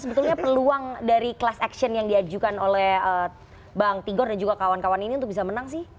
sebetulnya peluang dari class action yang diajukan oleh bang tigor dan juga kawan kawan ini untuk bisa menang sih